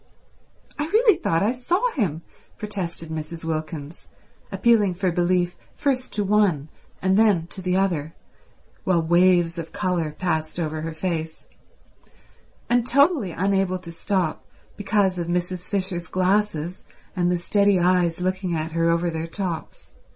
"I really thought I saw him," protested Mrs. Wilkins, appealing for belief first to one and then to the other while waves of colour passed over her face, and totally unable to stop because of Mrs. Fisher's glasses and the steady eyes looking at her over their tops.